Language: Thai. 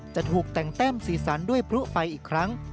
จะถูกแต่งแต้มสีสันด้วยพลุไฟอีกครั้ง